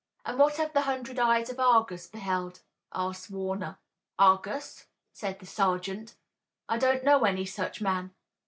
"And what have the hundred eyes of Argus beheld?" asked Warner. "Argus?" said the sergeant. "I don't know any such man.